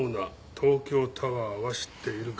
「東京タワーは知っている」か。